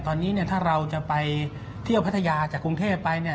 ตอนนี้เนี่ยถ้าเราจะไปเที่ยวพัทยาจากกรุงเทพไปเนี่ย